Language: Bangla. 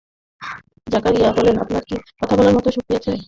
জাকারিয়া বললেন, আপনার কি কথা বলার মতো শক্তি আছে?